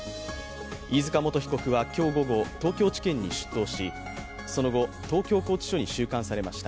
飯塚元被告は今日午後、東京地検に出頭し、その後、東京拘置所に収監されました。